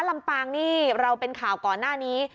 ลำปางนี่เราเป็นข่าวก่อนหน้านี้